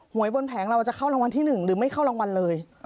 วยบนแผงเราจะเข้ารางวัลที่๑หรือไม่เข้ารางวัลเลย